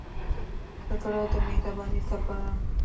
زړه د مهربانۍ څپه ده.